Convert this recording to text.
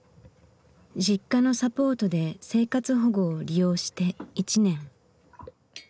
Ｊｉｋｋａのサポートで生活保護を利用して１年。